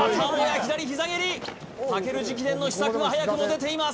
左膝蹴り武尊直伝の秘策が早くも出ています